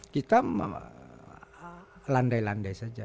kita landai landai saja